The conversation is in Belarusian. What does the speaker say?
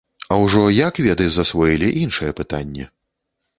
А ўжо як веды засвоілі, іншае пытанне.